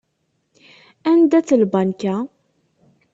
Anda-tt lbanka?